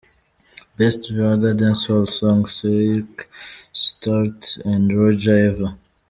Best Ragga Dancehall Song Slick Stuart & Roja – Eva.